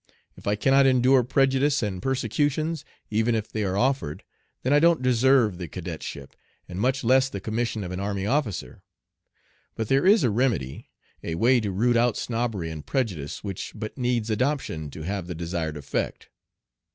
If I cannot endure prejudice and persecutions, even if they are offered, then I don't deserve the cadetship, and much less the commission of an army officer. But there is a remedy, a way to root out snobbery and prejudice which but needs adoption to have the desired effect.